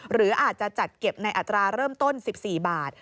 หรืออาจจะจัดเก็บในอัตราเริ่มต้น๑๔บาท